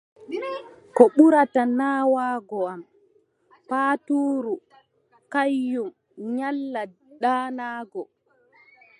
Ko ɓurata naawaago am, paatuuru kanyum nyalla ɗaanaago.